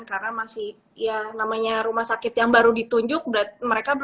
karena masih ya namanya rumah sakit yang baru ditunjukkan itu dua hari kan